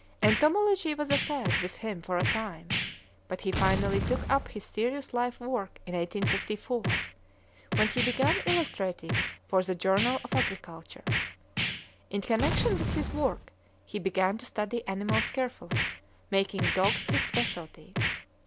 Entomology was a fad with him for a time, but he finally took up his serious life work in 1854, when he began illustrating for the Journal of Agriculture. In connection with his work, he began to study animals carefully, making dogs his specialty.